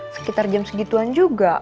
sekitar jam segituan juga